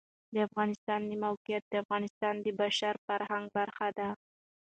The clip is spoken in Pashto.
د افغانستان د موقعیت د افغانستان د بشري فرهنګ برخه ده.